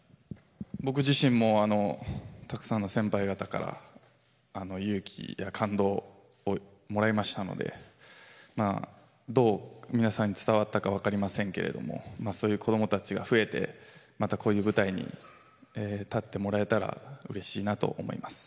僕自身もたくさんの先輩方から勇気や感動をもらえましたのでどう皆さんに伝わったかは分かりませんけれどもそういう子供たちが増えてまたこういう舞台に立ってもらえたらうれしいなと思います。